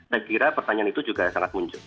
saya kira pertanyaan itu juga sangat muncul